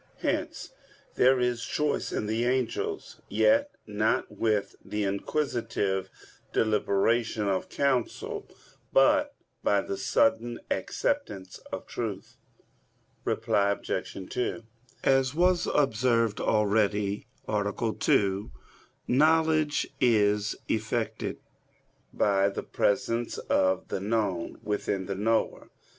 Hence there is choice in the angels, yet not with the inquisitive deliberation of counsel, but by the sudden acceptance of truth. Reply Obj. 2: As was observed already (A. 2), knowledge is effected by the presence of the known within the knower.